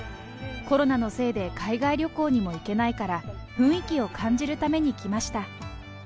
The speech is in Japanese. コロナのせいで海外旅行にも行けないから、雰囲気を感じるために来ました。